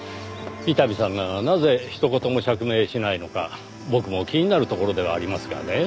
伊丹さんがなぜひと言も釈明しないのか僕も気になるところではありますがねぇ。